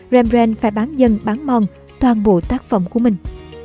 rembrandt phải bán dân bán mòn toàn bộ tác phẩm của mình